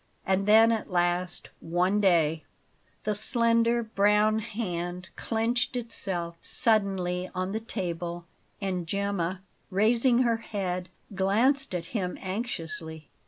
And then at last, one day " The slender, brown hand clenched itself suddenly on the table, and Gemma, raising her head, glanced at him anxiously.